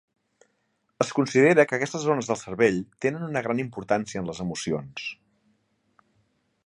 Es considera que aquestes zones del cervell tenen una gran importància en les emocions.